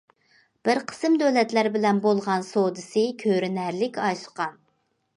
بىر قىسىم دۆلەتلەر بىلەن بولغان سودىسى كۆرۈنەرلىك ئاشقان.